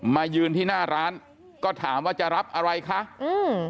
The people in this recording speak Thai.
มายืนที่หน้าร้านก็ถามว่าจะรับอะไรคะอืม